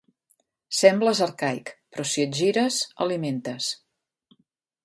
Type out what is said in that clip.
Sembles arcaic però si et gires alimentes.